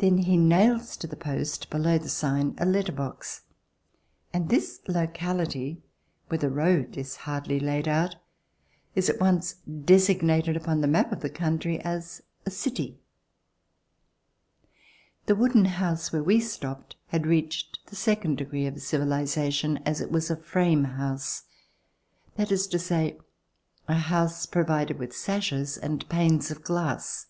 Then he nails to the post below the sign a letter box, and this locality, where the road is hardly laid out, is at once designated upon the map of the country as a city. The wooden house where we stopped had reached the second degree of civilization, as it was a frame house, that is to say, a house provided with sashes and panes of glass.